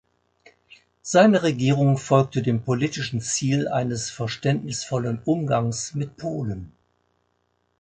Seine Regierung folgte dem politischen Ziel eines verständnisvollen Umgangs mit Polen.